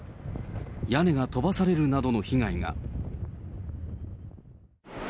屋根が飛ばされるなどの被害が。